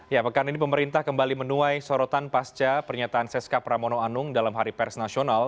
ya pekan ini pemerintah kembali menuai sorotan pasca pernyataan seska pramono anung dalam hari pers nasional